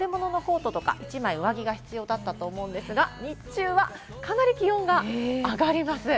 春物のコートとか１枚上着が必要だったと思うんですが、日中はかなり気温が上がります。